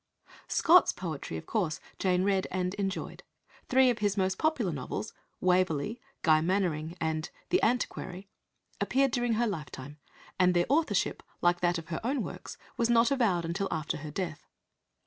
Scott's poetry, of course, Jane read and enjoyed. Three of his most popular novels Waverley, Guy Mannering, and The Antiquary appeared during her lifetime, and their authorship, like that of her own works, was not avowed until after her death.